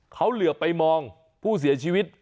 เขาเหลือไปมองผู้เสียชีวิต